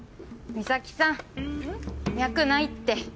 美咲さん脈ないって。